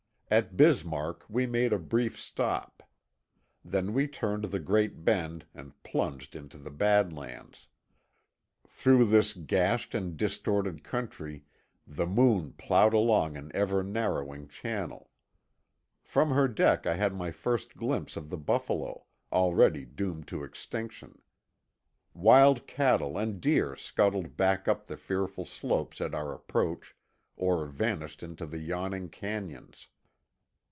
At Bismark we made a brief stop. Then we turned The Great Bend and plunged into the Bad Lands. Through this gashed and distorted country the Moon plowed along an ever narrowing channel. From her deck I had my first glimpse of the buffalo, already doomed to extinction. Wild cattle and deer scuttled back up the fearful slopes at our approach, or vanished into the yawning canyons.